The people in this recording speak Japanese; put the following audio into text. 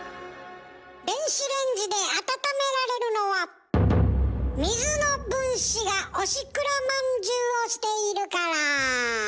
電子レンジで温められるのは水の分子がおしくらまんじゅうをしているから。